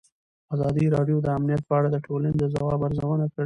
ازادي راډیو د امنیت په اړه د ټولنې د ځواب ارزونه کړې.